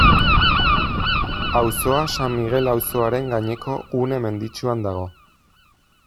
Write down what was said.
Auzoa San Migel auzoaren gaineko gune menditsuan dago.